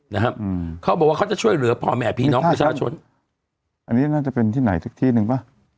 นะฮะอืมเขาบอกว่าเขาจะช่วยเหลือพ่อแม่พี่น้องประชาชนอันนี้น่าจะเป็นที่ไหนสักที่หนึ่งป่ะ